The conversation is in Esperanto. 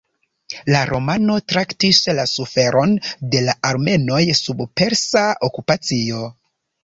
La romano traktis la suferon de la armenoj sub persa okupacio.